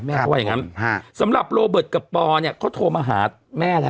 ว่าอย่างงั้นสำหรับโรเบิร์ตกับปอเนี่ยเขาโทรมาหาแม่แล้ว